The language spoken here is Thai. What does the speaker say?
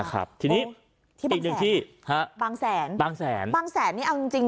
อีบที่นี่บางแสนอ่ะบางแสนบางแสนนี้อันจริง